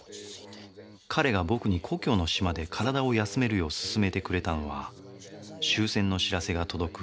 彼が僕に故郷の島で体を休めるよう勧めてくれたのは終戦の知らせが届く